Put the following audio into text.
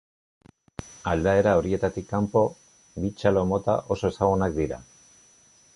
Aldaera horietatik kanpo, bi txalo-mota oso ezagunak dira.